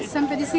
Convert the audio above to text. sampai di sini